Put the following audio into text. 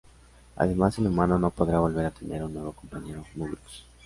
Además, el humano no podrá volver a tener un nuevo compañero muglox.